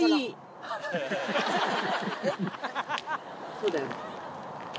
そうだよね。